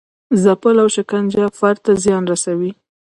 ځپل او شکنجه فرد ته زیان رسوي.